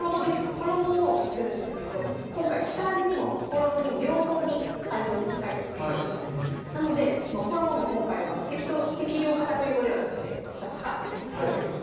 衣を作るんですけど今回下味にも衣にも両方に味をしっかり付けていきますなので衣も今回は適量片栗粉ではなくて量ってやります